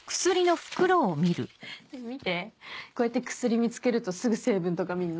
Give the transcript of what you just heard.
見てこうやって薬見つけるとすぐ成分とか見んの。